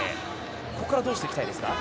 ここからどうしていきたいですか？